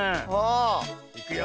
いくよ。